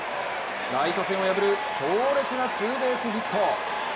ライト線を破る強烈なツーベースヒット。